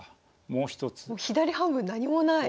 もう左半分何もない。